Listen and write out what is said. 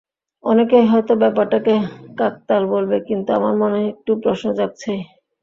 অনেকেই হয়তো ব্যাপারটাকে কাকতাল বলবে, কিন্তু আমার মনে একটু প্রশ্ন জাগছেই।